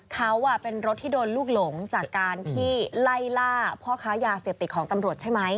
เขาเป็นรถที่โดนลูกหลงจากการที่ไล่ล่าพ่อค้ายาเสพติดของตำรวจใช่ไหม